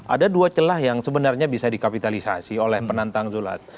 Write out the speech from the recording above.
ada dua celah yang sebenarnya bisa dikapitalisasi oleh penantang zulhas